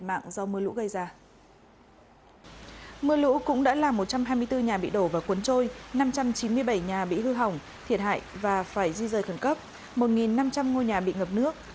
mưa lũ cũng đã làm một trăm hai mươi bốn nhà bị đổ và cuốn trôi năm trăm chín mươi bảy nhà bị hư hỏng thiệt hại và phải di rời khẩn cấp một năm trăm linh ngôi nhà bị ngập nước